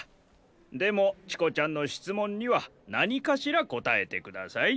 でもチコちゃんのしつもんにはなにかしらこたえてください。